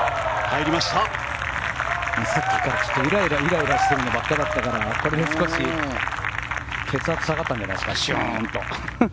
さっきからイライラしてるのがわかったからこれで少し血圧が下がっちゃんじゃないですかシュンと。